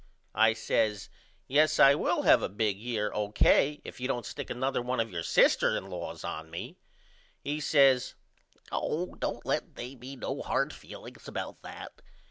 I says Yes I will have a big year O.K. if you don't sick another 1 of your sister in laws on to me. He says Oh don't let they be no hard feelings about that.